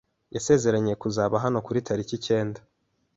Yasezeranije kuzaba hano kuri tariki ikenda.